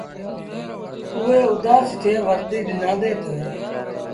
اُئي اُدآس ٿئي ورنديٚ ڏنآندي تا۔